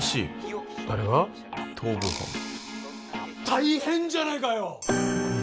大変じゃないかよ！